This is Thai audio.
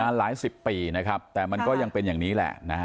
หลายสิบปีนะครับแต่มันก็ยังเป็นอย่างนี้แหละนะฮะ